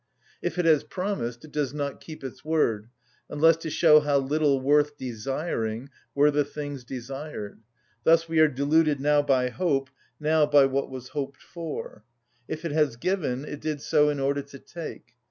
If it has promised, it does not keep its word, unless to show how little worth desiring were the things desired: thus we are deluded now by hope, now by what was hoped for. If it has given, it did so in order to take.